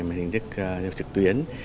mà hình thức trực tuyến